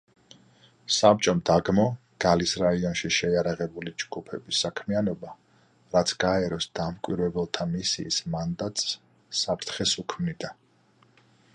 საბჭომ დაგმო გალის რაიონში შეიარაღებული ჯგუფების საქმიანობა, რაც გაეროს დამკვირვებელთა მისიის მანდატს საფრთხეს უქმნიდა.